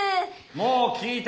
・もう聞いた。